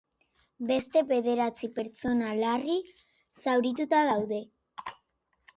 Beste bederatzi pertsona larri zaurituta daude.